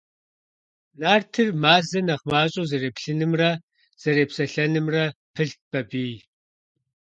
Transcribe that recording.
Нартыр Мазэ нэхъ мащӀэу зэреплъынымрэ зэрепсэлъэнымрэ пылът Бабий.